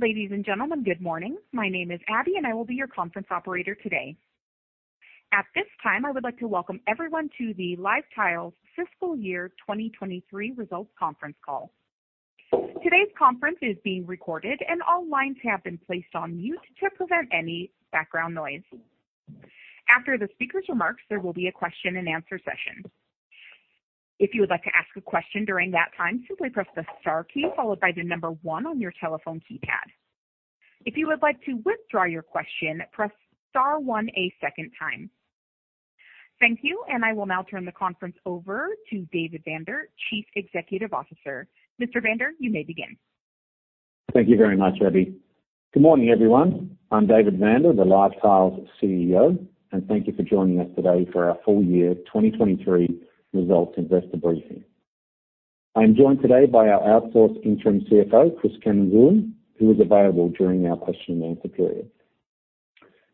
Ladies and gentlemen, good morning. My name is Abby, and I will be your conference operator today. At this time, I would like to welcome everyone to the LiveTiles Fiscal Year 2023 Results Conference Call. Today's conference is being recorded, and all lines have been placed on mute to prevent any background noise. After the speaker's remarks, there will be a question and answer session. If you would like to ask a question during that time, simply press the star key followed by the number 1 on your telephone keypad. If you would like to withdraw your question, press star 1 a second time. Thank you, and I will now turn the conference over to David Vander, Chief Executive Officer. Mr. Vander, you may begin. Thank you very much, Abby. Good morning, everyone. I'm David Vander, the LiveTiles' CEO, and thank you for joining us today for our full year 2023 results investor briefing. I am joined today by our outsource interim CFO, Chris Cannon, who is available during our question and answer period.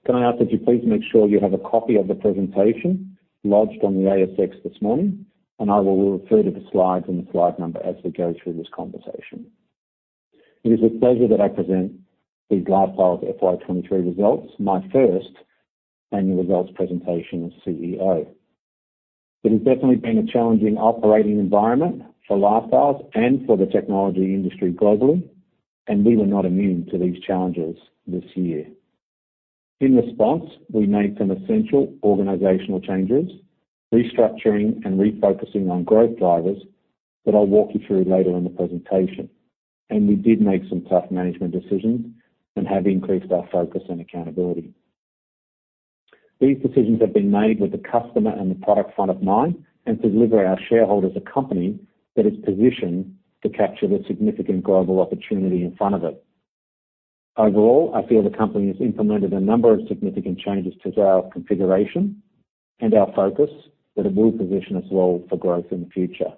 Can I ask that you please make sure you have a copy of the presentation lodged on the ASX this morning, and I will refer to the slides and the slide number as we go through this conversation. It is a pleasure that I present the LiveTiles' FY 2023 results, my first annual results presentation as CEO. It has definitely been a challenging operating environment for LiveTiles and for the technology industry globally, and we were not immune to these challenges this year. In response, we made some essential organizational changes, restructuring and refocusing on growth drivers that I'll walk you through later in the presentation. We did make some tough management decisions and have increased our focus and accountability. These decisions have been made with the customer and the product front of mind, and to deliver our shareholders a company that is positioned to capture the significant global opportunity in front of it. Overall, I feel the company has implemented a number of significant changes to our configuration and our focus, that it will position us well for growth in the future.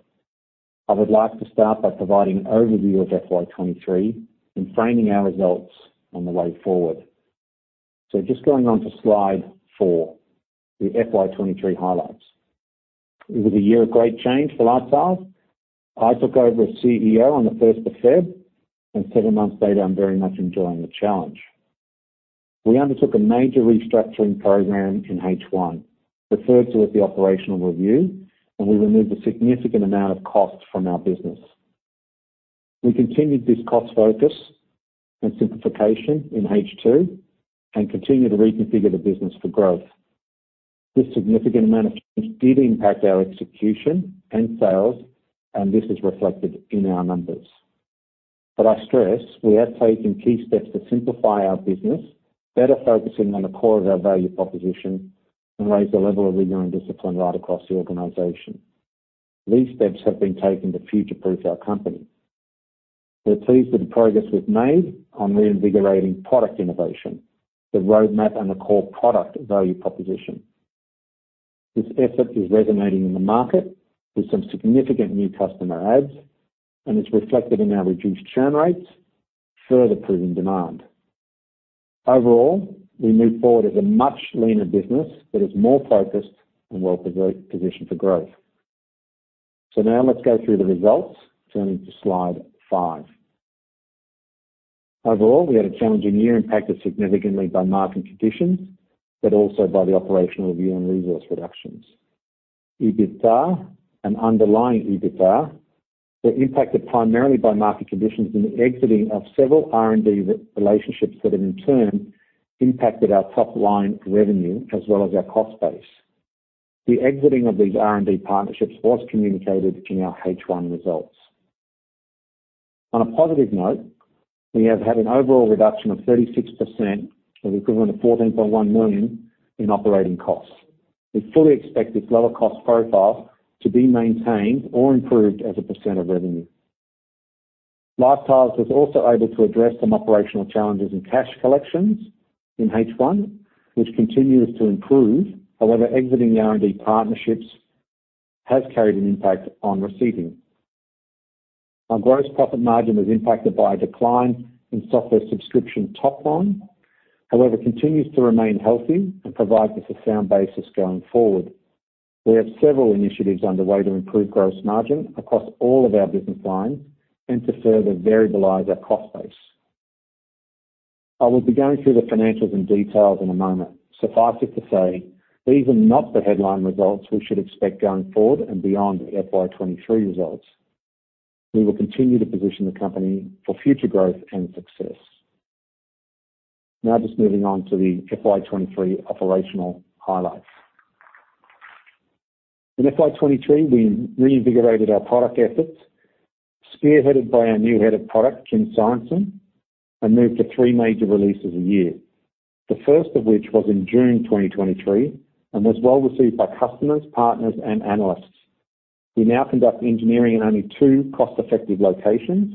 I would like to start by providing an overview of FY 23 and framing our results on the way forward. Just going on to slide 4, the FY 23 highlights. It was a year of great change for LiveTiles. I took over as CEO on the first of February, and seven months later, I'm very much enjoying the challenge. We undertook a major restructuring program in H1, referred to as the operational review, and we removed a significant amount of cost from our business. We continued this cost focus and simplification in H2 and continued to reconfigure the business for growth. This significant amount of change did impact our execution and sales, and this is reflected in our numbers. But I stress, we have taken key steps to simplify our business, better focusing on the core of our value proposition, and raise the level of rigor and discipline right across the organization. These steps have been taken to future-proof our company. We are pleased with the progress we've made on reinvigorating product innovation, the roadmap, and the core product value proposition. This effort is resonating in the market with some significant new customer adds, and it's reflected in our reduced churn rates, further proving demand. Overall, we move forward as a much leaner business that is more focused and well positioned for growth. So now let's go through the results. Turning to slide 5. Overall, we had a challenging year impacted significantly by market conditions, but also by the operational review and resource reductions. EBITDA and underlying EBITDA were impacted primarily by market conditions and the exiting of several R&D relationships that have in turn impacted our top line revenue as well as our cost base. The exiting of these R&D partnerships was communicated in our H1 results. On a positive note, we have had an overall reduction of 36% or the equivalent of 14.1 million in operating costs. We fully expect this lower cost profile to be maintained or improved as a % of revenue. LiveTiles was also able to address some operational challenges in cash collections in H1, which continues to improve, however, exiting the R&D partnerships has carried an impact on receiving. Our gross profit margin was impacted by a decline in software subscription top line. However, continues to remain healthy and provides us a sound basis going forward. We have several initiatives underway to improve gross margin across all of our business lines and to further variabilize our cost base. I will be going through the financials in detail in a moment. Suffice it to say, these are not the headline results we should expect going forward and beyond the FY 2023 results. We will continue to position the company for future growth and success. Now, just moving on to the FY 2023 operational highlights. In FY 2023, we reinvigorated our product efforts, spearheaded by our new head of product, Jim Samson, and moved to 3 major releases a year, the first of which was in June 2023, and was well-received by customers, partners and analysts. We now conduct engineering in only 2 cost-effective locations,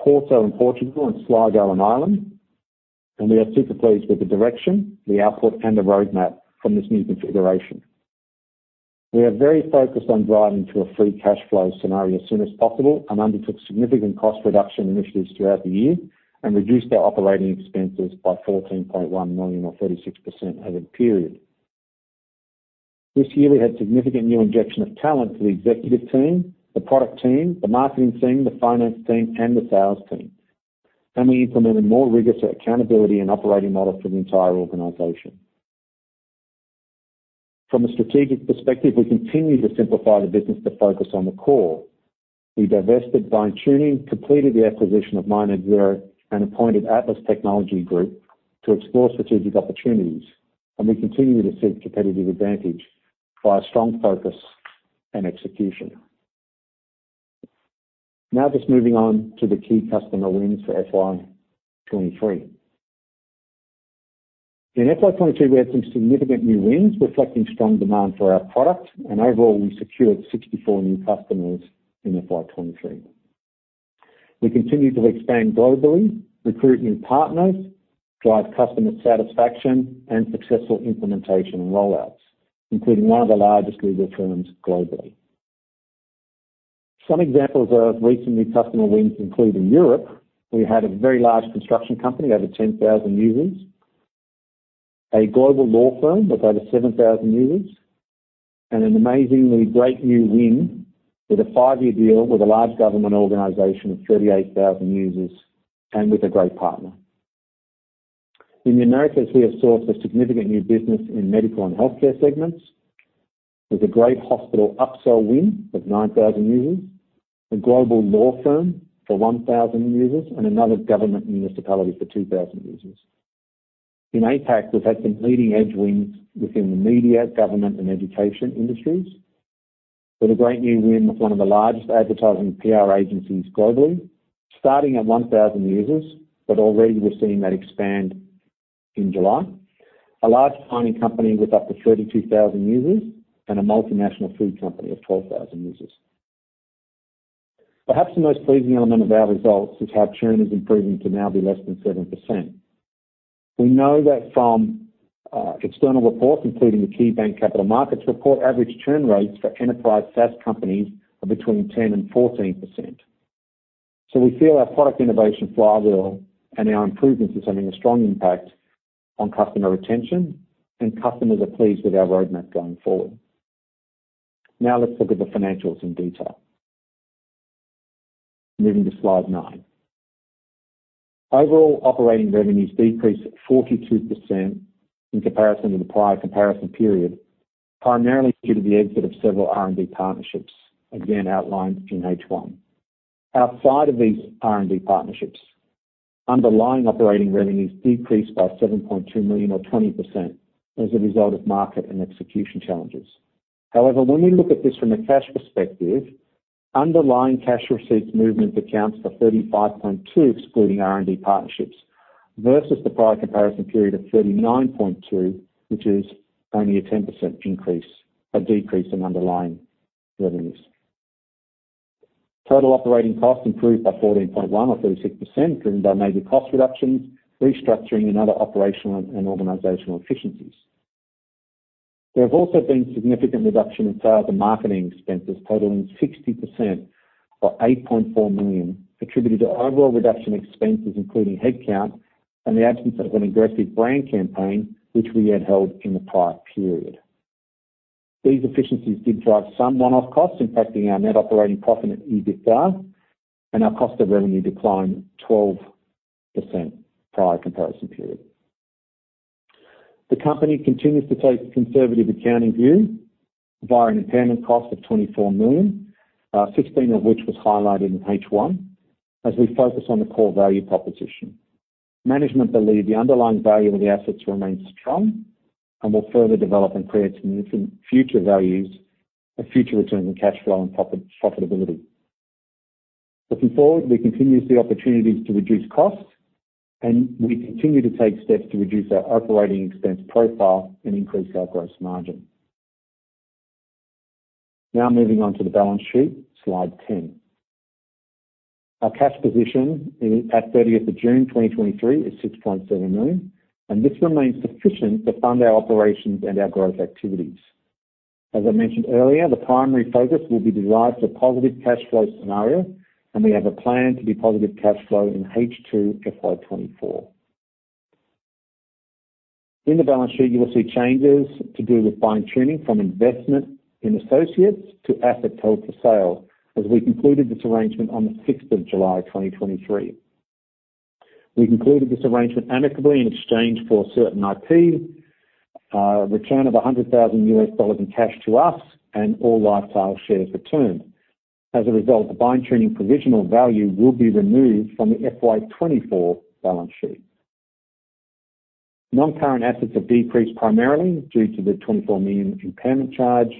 Porto in Portugal and Sligo in Ireland, and we are super pleased with the direction, the output, and the roadmap from this new configuration. We are very focused on driving to a free cash flow scenario as soon as possible and undertook significant cost reduction initiatives throughout the year and reduced our operating expenses by 14.1 million or 36% over the period. This year, we had significant new injection of talent to the executive team, the product team, the marketing team, the finance team, and the sales team. We implemented more rigorous accountability and operating model for the entire organization. From a strategic perspective, we continue to simplify the business to focus on the core. We divested BindTuning, completed the acquisition of My Net Zero, and appointed Atlas Technology Group to explore strategic opportunities, and we continue to seek competitive advantage by a strong focus and execution. Now, just moving on to the key customer wins for FY 2023. In FY 2022, we had some significant new wins, reflecting strong demand for our products, and overall, we secured 64 new customers in FY 2023. We continued to expand globally, recruit new partners, drive customer satisfaction, and successful implementation and rollouts, including one of the largest legal firms globally. Some examples of recent new customer wins include in Europe, we had a very large construction company, over 10,000 users, a global law firm with over 7,000 users, and an amazingly great new win with a five-year deal with a large government organization of 38,000 users and with a great partner. In the Americas, we have sourced a significant new business in medical and healthcare segments, with a great hospital upsell win of 9,000 users, a global law firm for 1,000 users, and another government municipality for 2,000 users. In APAC, we've had some leading-edge wins within the media, government, and education industries, with a great new win with one of the largest advertising PR agencies globally, starting at 1,000 users, but already we're seeing that expand in July. A large mining company with up to 32,000 users and a multinational food company of 12,000 users. Perhaps the most pleasing element of our results is how churn is improving to now be less than 7%. We know that from external reports, including the KeyBanc Capital Markets Report, average churn rates for enterprise SaaS companies are between 10%-14%. So we feel our product innovation flywheel and our improvements is having a strong impact on customer retention, and customers are pleased with our roadmap going forward. Now, let's look at the financials in detail. Moving to slide 9. Overall, operating revenues decreased 42% in comparison to the prior comparison period, primarily due to the exit of several R&D partnerships, again, outlined in H1. Outside of these R&D partnerships, underlying operating revenues decreased by 7.2 million or 20% as a result of market and execution challenges. However, when we look at this from a cash perspective, underlying cash receipts movement accounts for 35.2, excluding R&D partnerships, versus the prior comparison period of 39.2, which is only a 10% increase or decrease in underlying revenues. Total operating costs improved by 14.1 or 36%, driven by major cost reductions, restructuring, and other operational and organizational efficiencies. There have also been significant reduction in sales and marketing expenses, totaling 60% or 8.4 million, attributed to overall reduction expenses, including headcount and the absence of an aggressive brand campaign, which we had held in the prior period. These efficiencies did drive some one-off costs, impacting our net operating profit and EBITDA, and our cost of revenue declined 12% prior comparison period. The company continues to take a conservative accounting view via an impairment cost of 24 million, sixteen of which was highlighted in H1, as we focus on the core value proposition. Management believe the underlying value of the assets remains strong and will further develop and create significant future values or future returns on cash flow and profit-profitability. Looking forward, we continue to see opportunities to reduce costs, and we continue to take steps to reduce our operating expense profile and increase our gross margin. Now, moving on to the balance sheet. Slide 10. Our cash position is, at 30th June 2023, 6.7 million, and this remains sufficient to fund our operations and our growth activities. As I mentioned earlier, the primary focus will be to drive to a positive cash flow scenario, and we have a plan to be positive cash flow in H2 FY 2024. In the balance sheet, you will see changes to do with Fine Tuning from investment in associates to asset held for sale, as we concluded this arrangement on the sixth of July 2023. We concluded this arrangement amicably in exchange for certain IP, return of $100,000 in cash to us, and all LiveTiles shares returned. As a result, the Fine Tuning provisional value will be removed from the FY 2024 balance sheet. Non-current assets have decreased primarily due to the 24 million impairment charge.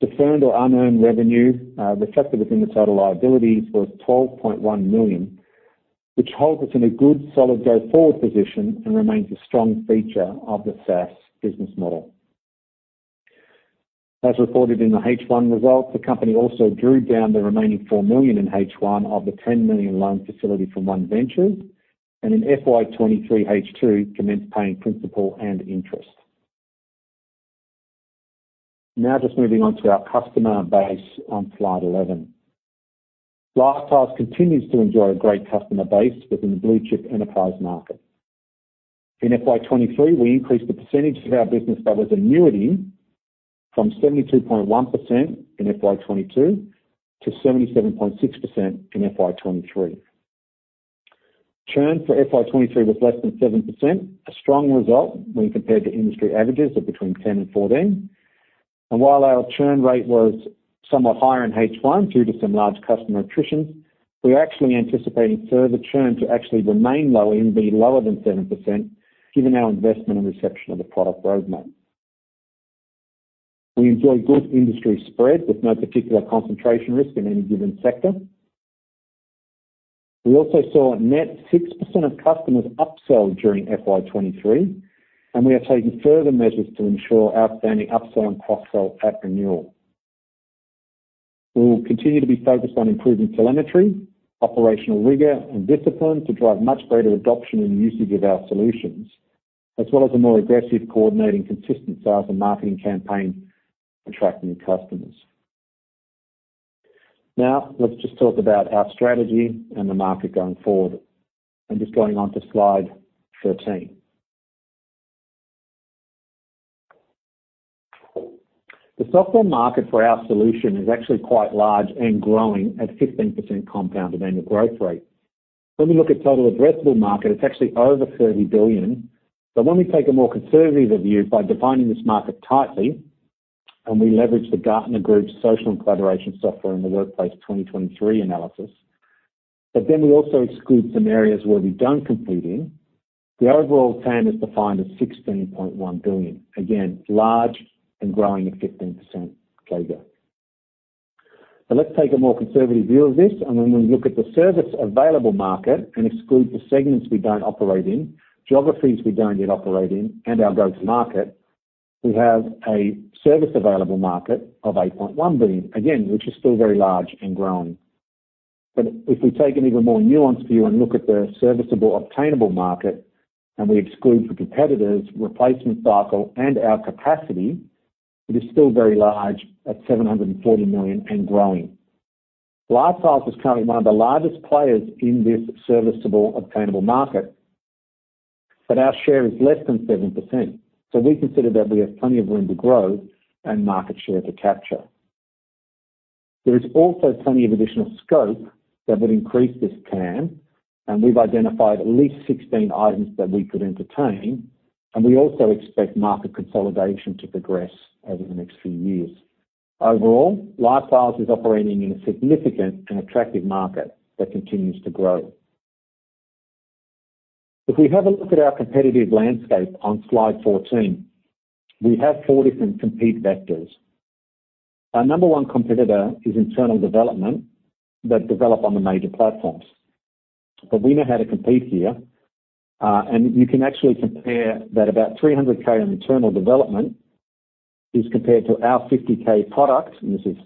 Deferred or unearned revenue reflected within the total liabilities was 12.1 million, which holds us in a good, solid go-forward position and remains a strong feature of the SaaS business model. As reported in the H1 results, the company also drew down the remaining 4 million in H1 of the 10 million loan facility from OneVentures, and in FY 2023 H2, commenced paying principal and interest. Now, just moving on to our customer base on slide 11. LiveTiles continues to enjoy a great customer base within the blue-chip enterprise market. In FY 2023, we increased the percentage of our business that was annuity from 72.1% in FY 2022 to 77.6% in FY 2023. Churn for FY 2023 was less than 7%, a strong result when compared to industry averages of between 10%-14%. And while our churn rate was somewhat higher in H1, due to some large customer attritions, we're actually anticipating further churn to actually remain low and be lower than 7%, given our investment and reception of the product roadmap. We enjoy good industry spread, with no particular concentration risk in any given sector. We also saw a net 6% of customers upsell during FY 2023, and we have taken further measures to ensure outstanding upsell and cross-sell at renewal. We will continue to be focused on improving telemetry, operational rigor, and discipline to drive much greater adoption and usage of our solutions, as well as a more aggressive, coordinated, consistent sales and marketing campaign to attract new customers. Now, let's just talk about our strategy and the market going forward. I'm just going on to slide 13. The software market for our solution is actually quite large and growing at 15% compound annual growth rate. When we look at total addressable market, it's actually over $30 billion. But when we take a more conservative view by defining this market tightly, and we leverage Gartner's social and collaboration software in the Workplace 2023 analysis, but then we also exclude some areas where we don't compete in, the overall TAM is defined as $16.1 billion. Again, large and growing at 15% CAGR. But let's take a more conservative view of this, and when we look at the serviceable available market and exclude the segments we don't operate in, geographies we don't yet operate in, and our growth market, we have a serviceable available market of $8.1 billion. Again, which is still very large and growing. But if we take an even more nuanced view and look at the serviceable obtainable market, and we exclude the competitors, replacement cycle, and our capacity, it is still very large at $740 million and growing. LiveTiles is currently one of the largest players in this serviceable, obtainable market, but our share is less than 7%. So we consider that we have plenty of room to grow and market share to capture. There is also plenty of additional scope that would increase this TAM, and we've identified at least 16 items that we could entertain, and we also expect market consolidation to progress over the next few years. Overall, LiveTiles is operating in a significant and attractive market that continues to grow. If we have a look at our competitive landscape on slide 14, we have four different compete vectors. Our number one competitor is internal development that develop on the major platforms. But we know how to compete here, and you can actually compare that about 300K on internal development is compared to our 50K product, and this is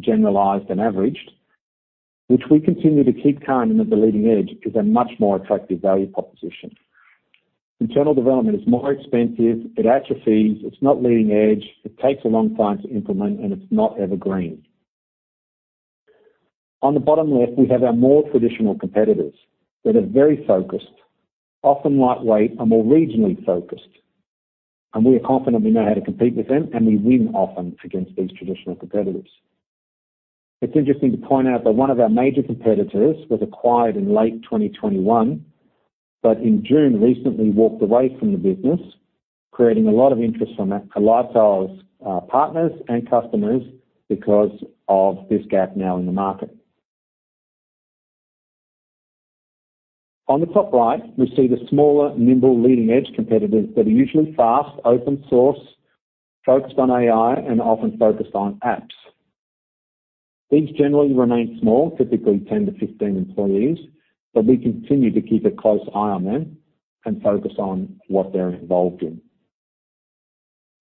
generalized and averaged, which we continue to keep current and at the leading edge, is a much more attractive value proposition. Internal development is more expensive, it atrophies, it's not leading edge, it takes a long time to implement, and it's not evergreen. On the bottom left, we have our more traditional competitors that are very focused, often lightweight, and more regionally focused. And we confidently know how to compete with them, and we win often against these traditional competitors. It's interesting to point out that one of our major competitors was acquired in late 2021, but in June, recently walked away from the business, creating a lot of interest from our LiveTiles' partners and customers because of this gap now in the market. On the top right, we see the smaller, nimble, leading edge competitors that are usually fast, open source, focused on AI, and often focused on apps. These generally remain small, typically 10-15 employees, but we continue to keep a close eye on them and focus on what they're involved in.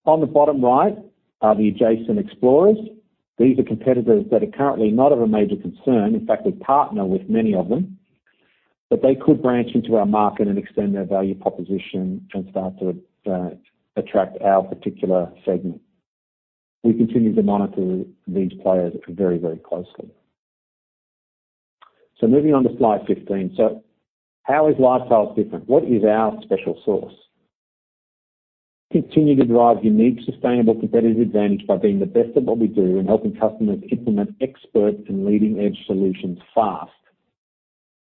On the bottom right are the adjacent explorers. These are competitors that are currently not of a major concern. In fact, we partner with many of them, but they could branch into our market and extend their value proposition and start to attract our particular segment. We continue to monitor these players very, very closely. So moving on to slide 15. So how is LiveTiles different? What is our special sauce? Continue to drive unique, sustainable competitive advantage by being the best at what we do and helping customers implement expert and leading-edge solutions fast.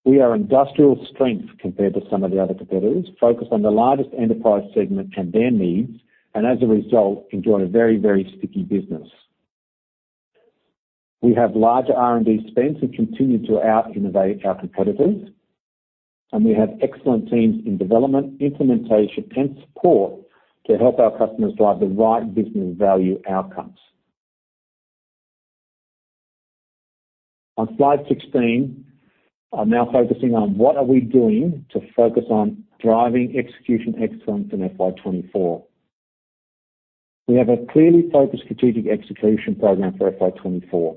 We are industrial strength compared to some of the other competitors, focused on the largest enterprise segment and their needs, and as a result, enjoy a very, very sticky business. We have large R&D spends and continue to out-innovate our competitors, and we have excellent teams in development, implementation, and support to help our customers drive the right business value outcomes. On slide 16, I'm now focusing on what are we doing to focus on driving execution excellence in FY 2024. We have a clearly focused strategic execution program for FY 2024.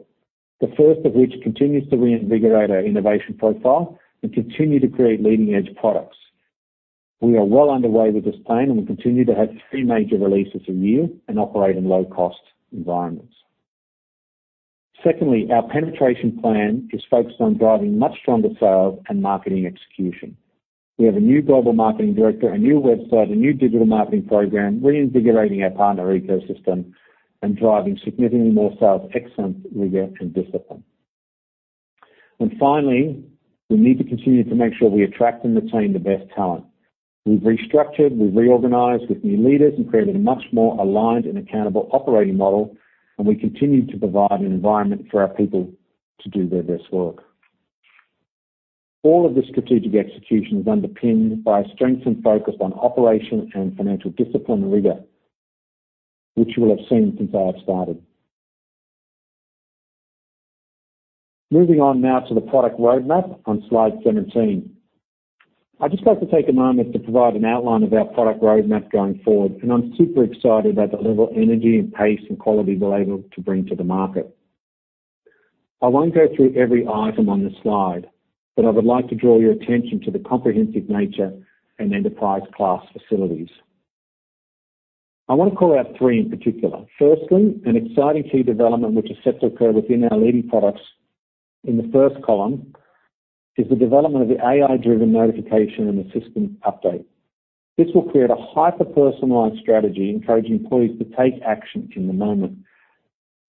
The first of which continues to reinvigorate our innovation profile and continue to create leading edge products. We are well underway with this plan, and we continue to have three major releases a year and operate in low-cost environments. Secondly, our penetration plan is focused on driving much stronger sales and marketing execution. We have a new global marketing director, a new website, a new digital marketing program, reinvigorating our partner ecosystem and driving significantly more sales, excellence, rigor, and discipline. And finally, we need to continue to make sure we attract and retain the best talent. We've restructured, we've reorganized with new leaders, and created a much more aligned and accountable operating model, and we continue to provide an environment for our people to do their best work. All of the strategic execution is underpinned by a strengthened focus on operation and financial discipline and rigor, which you will have seen since I have started. Moving on now to the product roadmap on slide 17. I'd just like to take a moment to provide an outline of our product roadmap going forward, and I'm super excited about the level of energy and pace, and quality we're able to bring to the market. I won't go through every item on the slide, but I would like to draw your attention to the comprehensive nature and enterprise-class facilities. I want to call out three in particular. Firstly, an exciting key development, which is set to occur within our leading products in the first column, is the development of the AI-driven notification and the system update. This will create a hyper-personalized strategy, encouraging employees to take action in the moment.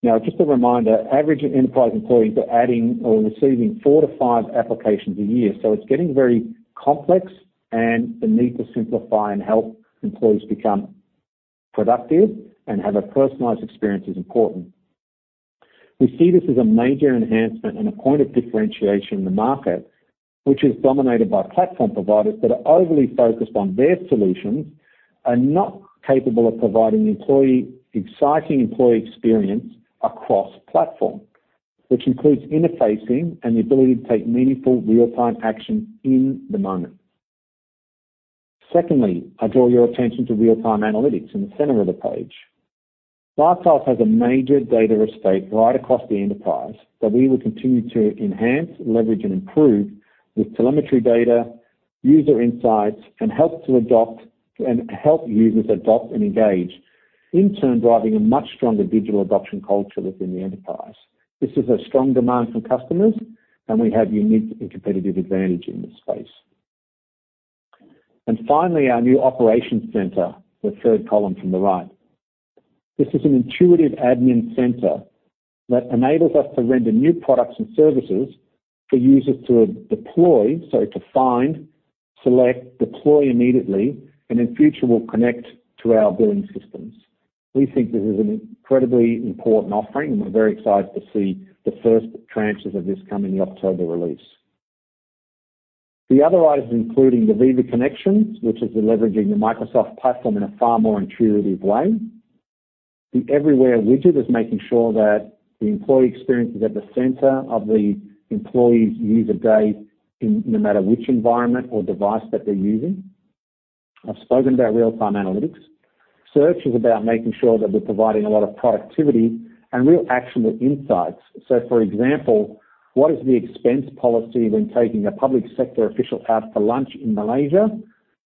Now, just a reminder, average enterprise employees are adding or receiving 4-5 applications a year, so it's getting very complex, and the need to simplify and help employees become productive and have a personalized experience is important. We see this as a major enhancement and a point of differentiation in the market, which is dominated by platform providers that are overly focused on their solutions and not capable of providing employee-exciting employee experience across platform, which includes interfacing and the ability to take meaningful real-time action in the moment. Secondly, I draw your attention to real-time analytics in the center of the page. LiveTiles has a major data estate right across the enterprise that we will continue to enhance, leverage, and improve with telemetry data, user insights, and help users adopt and engage, in turn, driving a much stronger digital adoption culture within the enterprise. This is a strong demand from customers, and we have unique and competitive advantage in this space. Finally, our new operations center, the third column from the right. This is an intuitive admin center that enables us to render new products and services for users to deploy. So to find, select, deploy immediately, and in future, will connect to our billing systems. We think this is an incredibly important offering, and we're very excited to see the first tranches of this come in the October release. The other items, including the Viva Connections, which is leveraging the Microsoft platform in a far more intuitive way. The Everywhere Widget is making sure that the employee experience is at the center of the employee's user day in, no matter which environment or device that they're using. I've spoken about real-time analytics. Search is about making sure that we're providing a lot of productivity and real, actionable insights. So, for example, what is the expense policy when taking a public sector official out for lunch in Malaysia?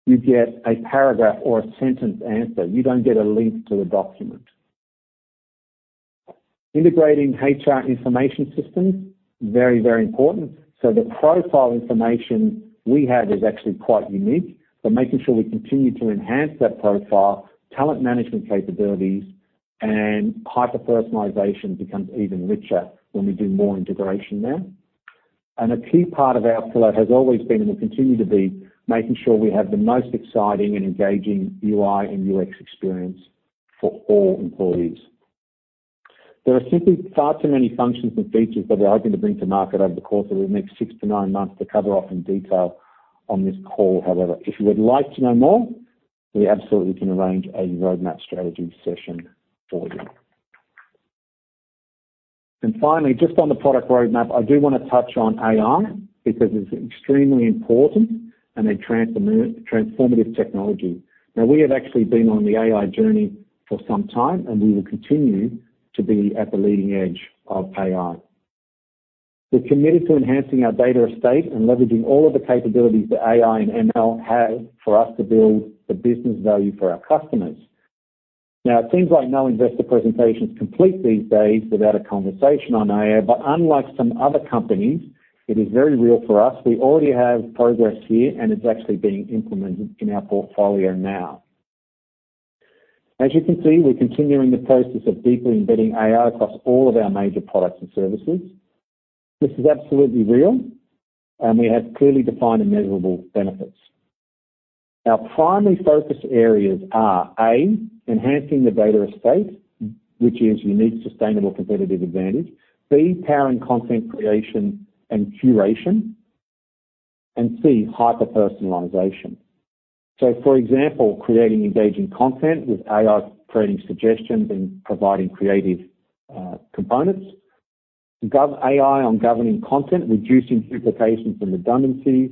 You get a paragraph or a sentence answer. You don't get a link to the document. Integrating HR information systems, very, very important. So the profile information we have is actually quite unique, but making sure we continue to enhance that profile, talent management capabilities, and hyper-personalization becomes even richer when we do more integration there. A key part of our pillar has always been, and will continue to be, making sure we have the most exciting and engaging UI and UX experience for all employees. There are simply far too many functions and features that we're hoping to bring to market over the course of the next 6-9 months to cover off in detail on this call. However, if you would like to know more, we absolutely can arrange a roadmap strategy session for you. And finally, just on the product roadmap, I do want to touch on AI because it's extremely important and a transformative technology. Now, we have actually been on the AI journey for some time, and we will continue to be at the leading edge of AI. We're committed to enhancing our data estate and leveraging all of the capabilities that AI and ML have for us to build the business value for our customers. Now, it seems like no investor presentation is complete these days without a conversation on AI, but unlike some other companies, it is very real for us. We already have progress here, and it's actually being implemented in our portfolio now. As you can see, we're continuing the process of deeply embedding AI across all of our major products and services. This is absolutely real, and we have clearly defined and measurable benefits. Our primary focus areas are, A, enhancing the data estate, which is unique, sustainable, competitive advantage. B, powering content creation and curation. And C, hyper-personalization. So for example, creating engaging content with AI, creating suggestions, and providing creative components. Governance AI on governing content, reducing duplications and redundancies.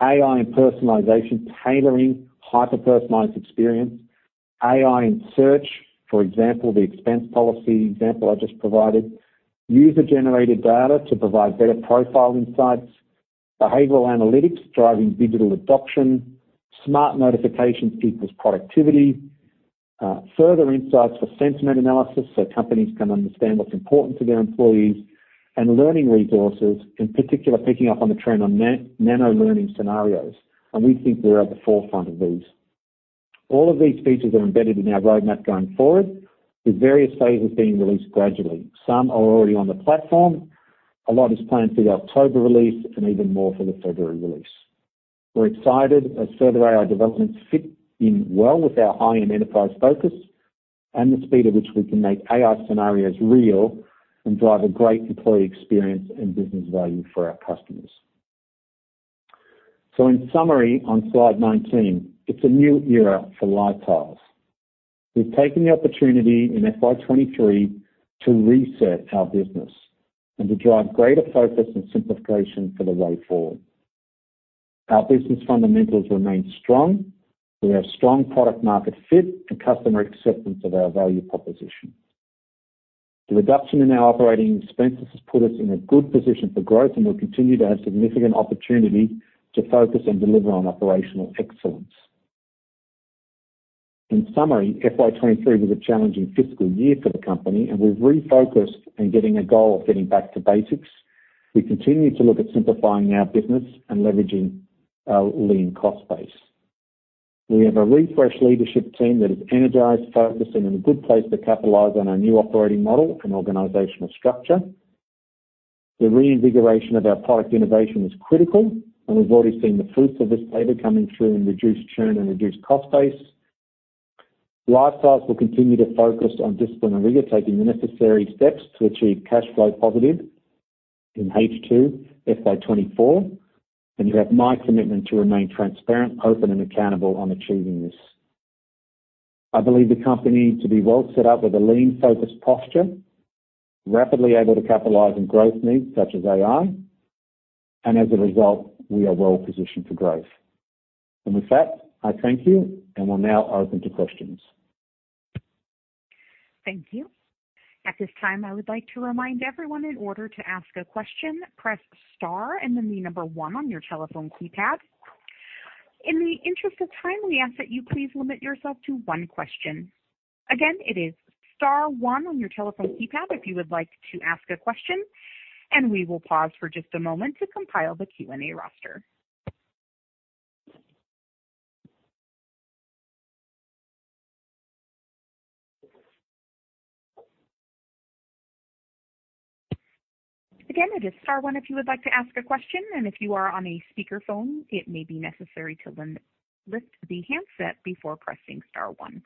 AI and personalization, tailoring hyper-personalized experience. AI in search, for example, the expense policy example I just provided. User-generated data to provide better profile insights. Behavioral analytics, driving digital adoption. Smart notifications, peoples' productivity. Further insights for sentiment analysis, so companies can understand what's important to their employees. And learning resources, in particular, picking up on the trend on nano learning scenarios, and we think we're at the forefront of these. All of these features are embedded in our roadmap going forward, with various phases being released gradually. Some are already on the platform. A lot is planned for the October release and even more for the February release. We're excited as further AI developments fit in well with our high-end enterprise focus and the speed at which we can make AI scenarios real and drive a great employee experience and business value for our customers. So in summary, on slide 19, it's a new era for LiveTiles. We've taken the opportunity in FY 2023 to reset our business and to drive greater focus and simplification for the way forward. Our business fundamentals remain strong. We have strong product-market fit and customer acceptance of our value proposition. The reduction in our operating expenses has put us in a good position for growth, and we'll continue to have significant opportunity to focus and deliver on operational excellence. In summary, FY 2023 was a challenging fiscal year for the company, and we've refocused on getting a goal of getting back to basics. We continue to look at simplifying our business and leveraging our lean cost base. We have a refreshed leadership team that is energized, focused, and in a good place to capitalize on our new operating model and organizational structure. The reinvigoration of our product innovation is critical, and we've already seen the fruits of this labor coming through in reduced churn and reduced cost base. LiveTiles will continue to focus on discipline, taking the necessary steps to achieve cash flow positive in H2, FY 2024, and you have my commitment to remain transparent, open, and accountable on achieving this. I believe the company to be well set up with a lean, focused posture, rapidly able to capitalize on growth needs such as AI, and as a result, we are well positioned for growth. And with that, I thank you, and we'll now open to questions. Thank you. At this time, I would like to remind everyone, in order to ask a question, press star and then the number 1 on your telephone keypad. In the interest of time, we ask that you please limit yourself to one question. Again, it is star 1 on your telephone keypad if you would like to ask a question, and we will pause for just a moment to compile the Q&A roster. Again, it is star 1 if you would like to ask a question, and if you are on a speakerphone, it may be necessary to lift the handset before pressing star 1.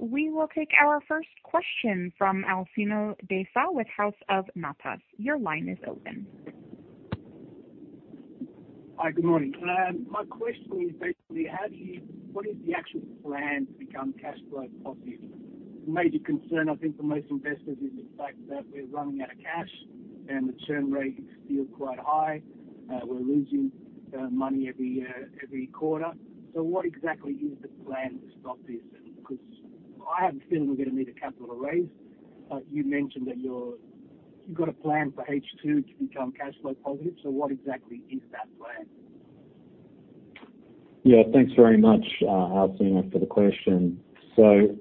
We will take our first question from Alcino Desa with House of Matas. Your line is open. Hi, good morning. My question is basically, how do you—what is the actual plan to become cash flow positive? The major concern, I think, for most investors is the fact that we're running out of cash and the churn rate is still quite high. We're losing money every year, every quarter. So what exactly is the plan to stop this? Because I have a feeling we're going to need a capital raise. But you mentioned that you're, you've got a plan for H2 to become cash flow positive. So what exactly is that plan? Yeah, thanks very much, Alcino, for the question. So,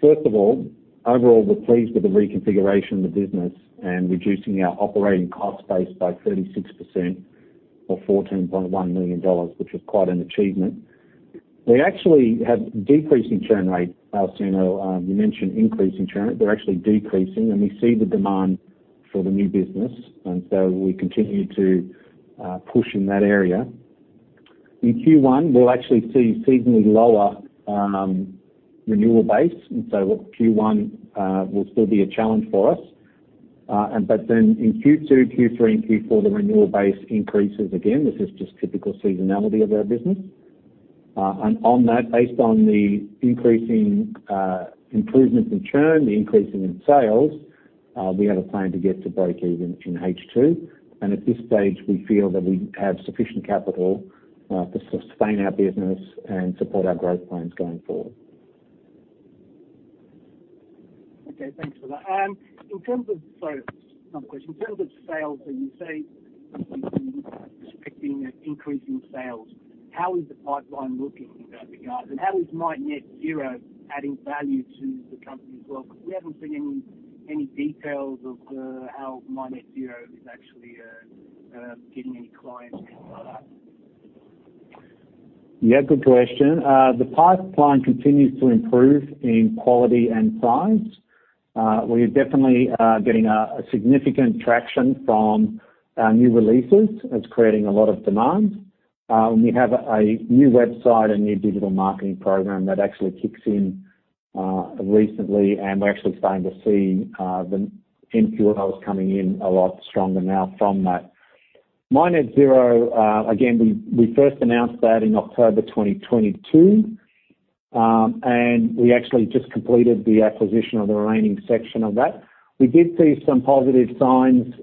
first of all, overall, we're pleased with the reconfiguration of the business and reducing our operating cost base by 36% or $14.1 million, which is quite an achievement. We actually have decreased in churn rate, Alcino. You mentioned increase in churn. They're actually decreasing, and we see the demand for the new business, and so we continue to push in that area. In Q1, we'll actually see seasonally lower renewal base, and so Q1 will still be a challenge for us. And but then in Q2, Q3, and Q4, the renewal base increases again. This is just typical seasonality of our business. And on that, based on the increasing improvements in churn, the increasing in sales, we have a plan to get to breakeven in H2. At this stage, we feel that we have sufficient capital to sustain our business and support our growth plans going forward. Okay, thanks for that. So another question. In terms of sales, so you say expecting an increase in sales, how is the pipeline looking in that regard? And how is My Net Zero adding value to the company as well? Because we haven't seen any details of how My Net Zero is actually getting any clients in product. Yeah, good question. The pipeline continues to improve in quality and size. We are definitely getting a significant traction from our new releases. It's creating a lot of demand. We have a new website and new digital marketing program that actually kicks in recently, and we're actually starting to see the MQLs coming in a lot stronger now from that. My Net Zero, again, we first announced that in October 2022, and we actually just completed the acquisition of the remaining section of that. We did see some positive signs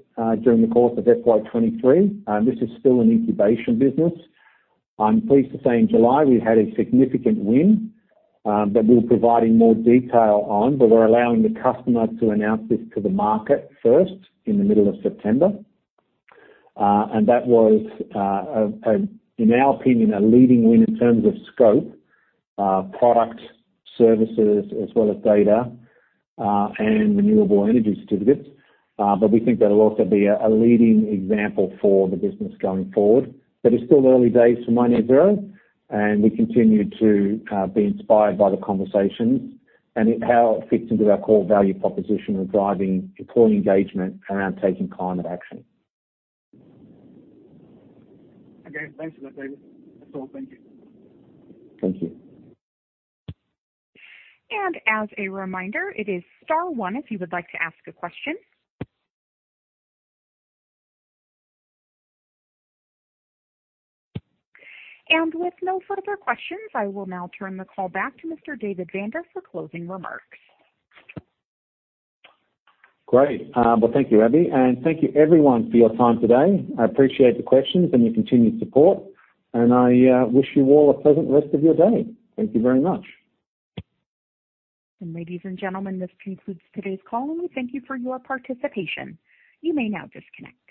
during the course of FY 2023. This is still an incubation business. I'm pleased to say in July, we had a significant win that we're providing more detail on, but we're allowing the customer to announce this to the market first in the middle of September. And that was, in our opinion, a leading win in terms of scope, product, services, as well as data, and renewable energy certificates. But we think that'll also be a leading example for the business going forward. But it's still early days for My Net Zero, and we continue to be inspired by the conversations and how it fits into our core value proposition of driving employee engagement around taking climate action. Okay, thanks for that, David. That's all. Thank you. Thank you. As a reminder, it is star one if you would like to ask a question. With no further questions, I will now turn the call back to Mr. David Vander for closing remarks. Great. Well, thank you, Abby, and thank you everyone for your time today. I appreciate the questions and your continued support, and I wish you all a pleasant rest of your day. Thank you very much. Ladies and gentlemen, this concludes today's call, and we thank you for your participation. You may now disconnect.